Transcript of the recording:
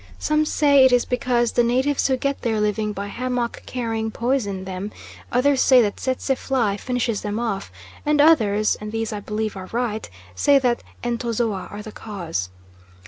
Some say it is because the natives who get their living by hammock carrying poison them, others say the tsetse fly finishes them off; and others, and these I believe are right, say that entozoa are the cause.